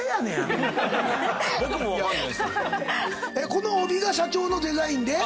この帯が社長のデザインで？